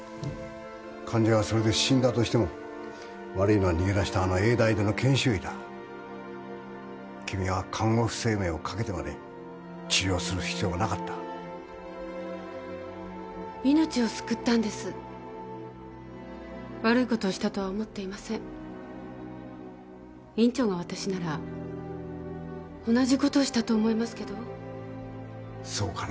患者がそれで死んだとしても悪いのは逃げ出した研修医だ君は看護婦生命をかけてまで治療する必要はなかった命を救ったんです悪いことをしたとは思っていません院長が私なら同じことをしたと思いますけどそうかね